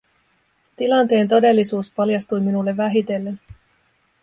Tilanteen todellisuus paljastui minulle vähitellen.